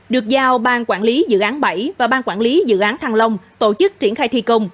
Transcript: được giao ban quản lý dự án bảy và ban quản lý dự án thăng long tổ chức triển khai thi công